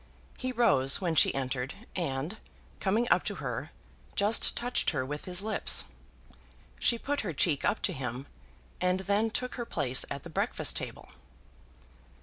He rose when she entered, and, coming up to her, just touched her with his lips. She put her cheek up to him, and then took her place at the breakfast table.